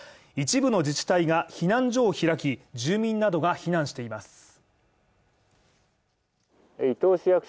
一部の自治体が避難所を開き、住民などが避難しています。